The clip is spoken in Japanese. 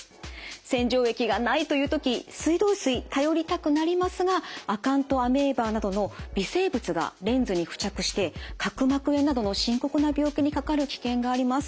洗浄液がないという時水道水頼りたくなりますがアカントアメーバなどの微生物がレンズに付着して角膜炎などの深刻な病気にかかる危険があります。